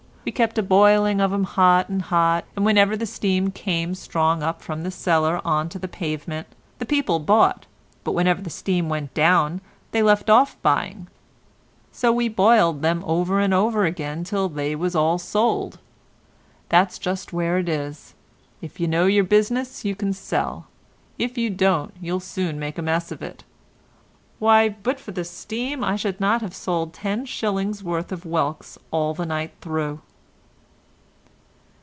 We kept a boiling of 'em hot and hot, and whenever the steam came strong up from the cellar on to the pavement, the people bought, but whenever the steam went down they left off buying; so we boiled them over and over again till they was all sold. That's just where it is; if you know your business you can sell, if you don't you'll soon make a mess of it. Why, but for the steam, I should not have sold 10s. worth of whelks all the night through."